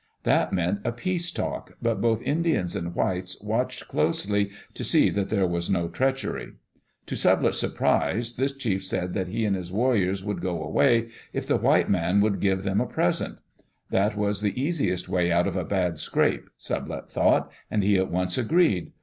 That meant a " peace talk," but both Indians and whites watched closely to see that there was no treachery. To Sublette's surprise, this chief said that he and his warriors would go away if the white men would give them a Digitized by CjOOQ IC EARLY DAYS IN OLD OREGON present That was the easiest way out of a bad scrape, Sublette thought, and he at once agreed.